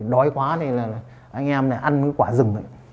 đói quá thì là anh em này ăn cái quả rừng